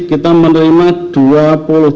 kita dari bidang kimia bulky ferensi